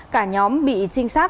cả nhóm bị trinh sát